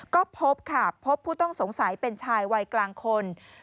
ก็พบค่ะพบผู้ต้องสงสัยเป็นชายวัยกลางคน